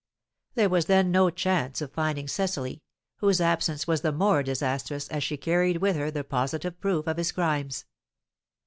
There was then no chance of finding Cecily, whose absence was the more disastrous, as she carried with her the positive proof of his crimes.